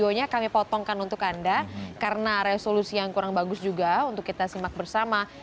videonya kami potongkan untuk anda karena resolusi yang kurang bagus juga untuk kita simak bersama